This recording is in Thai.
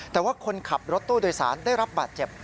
แต่ว่าคนขับรถตู้โดยสารได้รับบาดเจ็บ